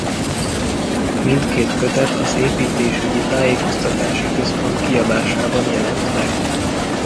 Mindkét kötet az Építésügyi Tájékoztatási Központ kiadásában jelent meg.